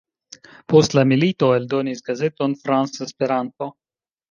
Post la milito eldonis gazeton France-Esperanto.